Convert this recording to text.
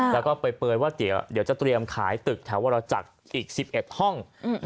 แล้วก็เปลยว่าเดี๋ยวจะเตรียมขายตึกแถววรจักรอีก๑๑ห้อง